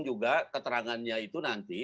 juga keterangannya itu nanti